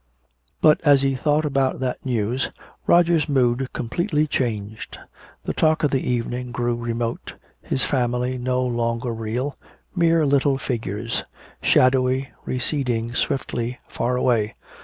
But as he thought about that news, Roger's mood completely changed. The talk of the evening grew remote, his family no longer real, mere little figures, shadowy, receding swiftly far away....